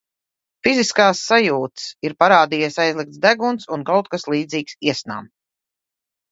Fiziskās sajūtas - ir parādījies aizlikts deguns un kaut kas līdzīgs iesnām.